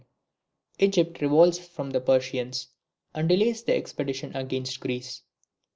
Egypt revolts from the Persians, and delays the expedition against Greece.